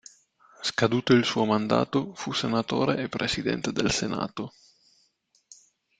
Scaduto il suo mandato, fu senatore e presidente del Senato.